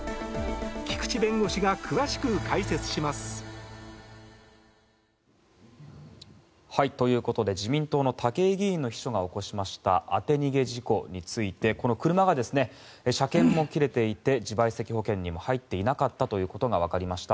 菊地弁護士が詳しく解説します。ということで自民党の武井議員の秘書が起こしました当て逃げ事故についてこの車が車検も切れていて自賠責保険にも入っていなかったということがわかりました。